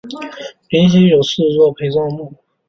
灵犀有四座陪葬墓。